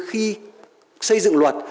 khi xây dựng luật